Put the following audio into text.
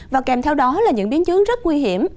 và kèm theo đó là những biến chứng rất nguy hiểm